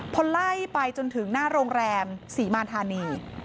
พอไล่ไปจนถึงหน้าโรงแรมศรีมารธานี